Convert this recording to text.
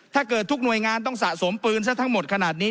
ทุกหน่วยงานต้องสะสมปืนซะทั้งหมดขนาดนี้